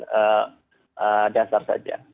dan dasar saja